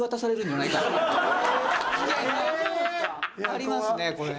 ありますねこれ。